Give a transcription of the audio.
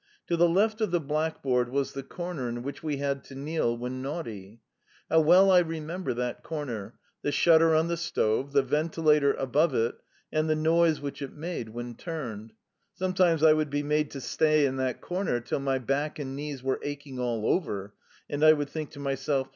To the left of the blackboard was the corner in which we had to kneel when naughty. How well I remember that corner the shutter on the stove, the ventilator above it, and the noise which it made when turned! Sometimes I would be made to stay in that corner till my back and knees were aching all over, and I would think to myself.